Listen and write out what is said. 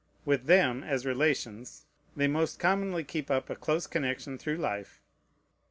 With them, as relations, they most commonly keep up a close connection through life.